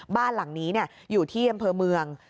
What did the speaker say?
บ้านหลังนี้อยู่ที่เยี่ยมเพลิง